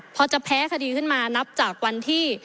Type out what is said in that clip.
พอจะแพ้คดีขึ้นมานับจากวันที่